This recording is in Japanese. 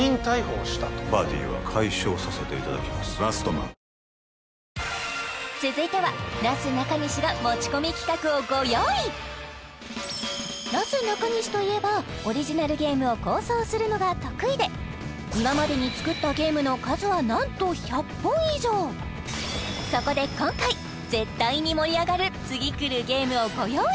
１００万人に「クリアアサヒ」続いてはなすなかにしが持ち込み企画をご用意なすなかにしといえばオリジナルゲームを構想するのが得意で今までに作ったゲームの数はなんと１００本以上そこで今回絶対に盛り上がる次くるゲームをご用意！